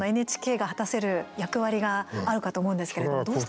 ＮＨＫが果たせる役割があるかと思うんですけれどもどうしたら。